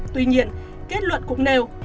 tuy nhiên kết luận cũng nêu